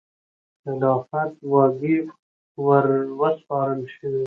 خلافت واګې وروسپارل شوې.